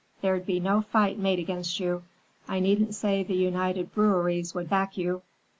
There'd be no fight made against you. I needn't say the United Breweries would back you.